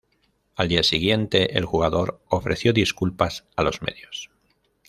Al día siguiente el jugador ofreció disculpas a los medios.